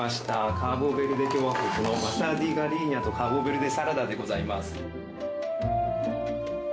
カーポベルデ共和国のマサディガリーニャとカーボベルデサラダでございます。